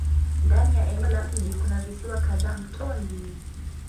Ndani ya eneo la mji kuna visiwa kadhaa mtoni.